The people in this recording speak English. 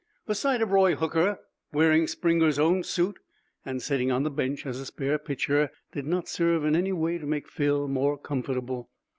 The sight of Roy Hooker, wearing Springer's own suit and sitting on the bench as a spare pitcher, did not serve in any way to make Phil more comfortable.